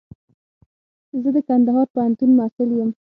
زه د کندهار پوهنتون محصل يم.